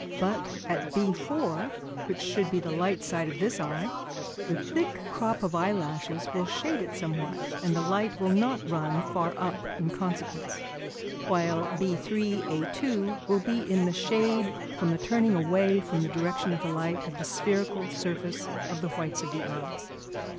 But at B4, which should be the light side of this eye, the thick crop of eyelashes will shade it somewhat and the light will not run far up in consequence, while B3, A2 will be in the shade from the turning away from the direction of the light of the spherical surface of the whites of the eyes.